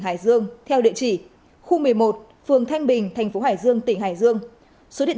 hải dương theo địa chỉ khu một mươi một phường thanh bình thành phố hải dương tỉnh hải dương số điện